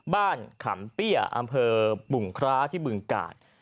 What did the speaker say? ขำเปี้ยอำเภอบุงคร้าที่บึงกาล